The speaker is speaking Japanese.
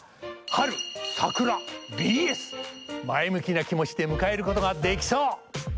前向きな気持ちで迎えることができそう。